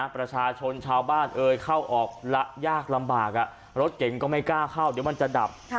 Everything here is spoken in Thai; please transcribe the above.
ประชาชนชาวบ้านเอ่ยเข้าออกยากลำบากรถเก่งก็ไม่กล้าเข้าเดี๋ยวมันจะดับ